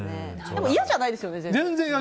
でもいやじゃないですよね。